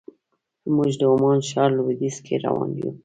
موږ د عمان ښار لویدیځ کې روان یو.